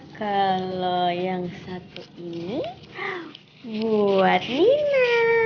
gimana kalau yang satu ini buat nina